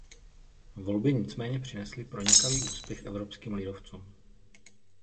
Volby nicméně přinesly pronikavý úspěch evropským lidovcům.